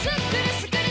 スクれ！